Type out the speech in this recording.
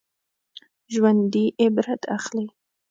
ژوندي عبرت اخلي